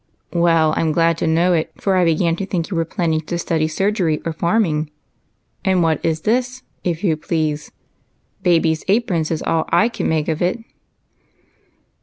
"" Well, I 'm glad to know it, for I began to think you were planning to study surgery or farming. And what is this, if you jjlease ?' Babies' Aprons ' is all 1 can make of it."